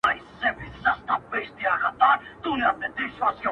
څوك چي د سترگو د حـيـا له دره ولوېــــږي.